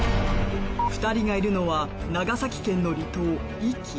２人がいるのは長崎県の離島壱岐。